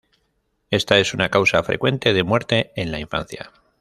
Esta es una causa frecuente de muerte en la infancia.